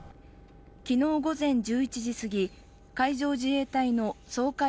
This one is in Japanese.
昨日午前１１時すぎ海上自衛隊の掃海艇